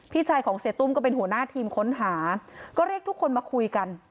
พี่ชายของเสียตุ้มก็เป็นหัวหน้าทีมค้นหาก็เรียกทุกคนมาคุยกัน